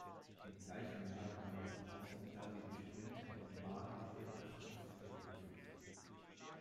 Im gleichen Jahr gewann er die Bronzemedaille im Sprint bei den Bahn-Radweltmeisterschaften der Profis.